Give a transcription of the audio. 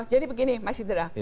jadi begini mas indra